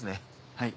はい。